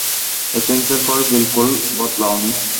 এথেন্সের পর বিলকুল বদলাওনি।